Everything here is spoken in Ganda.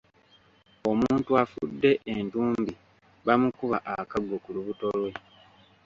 Omuntu afudde entumbi bamukuba akaggo ku lubuto lwe.